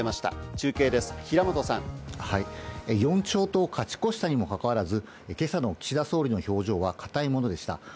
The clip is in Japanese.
中継です、平本さん。４勝と勝ち越したにもかかわらず、今朝の岸田総理の表情はかたいものでした。